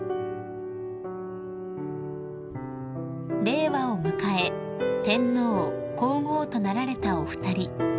［令和を迎え天皇皇后となられたお二人］